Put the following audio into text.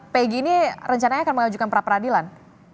pg ini rencananya akan mengajukan pra peradilan